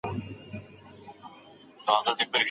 ژبه نه ده وروسته پاتې.